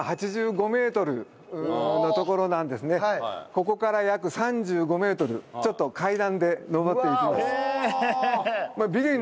ここから約３５メートルちょっと階段で上っていきます。